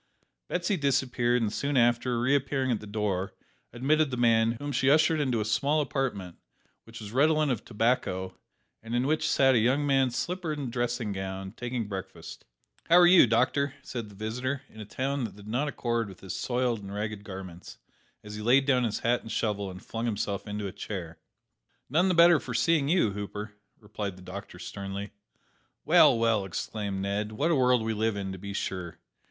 Betsy disappeared, and soon after, reappearing at the door, admitted the man, whom she ushered into a small apartment, which was redolent of tobacco, and in which sat a young man slippered and dressing gowned, taking breakfast. "How are you, doctor?" said the visitor, in a tone that did not accord with his soiled and ragged garments, as he laid down his hat and shovel, and flung himself into a chair. "None the better for seeing you, Hooper," replied the doctor sternly. "Well, well!" exclaimed Ned, "what a world we live in, to be sure!